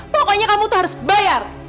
pokoknya kamu tuh harus bayar